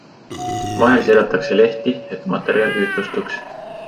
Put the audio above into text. Vahel segatakse lehti, et materjal ühtlustuks.